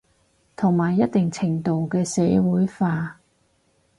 同埋一定程度嘅社會化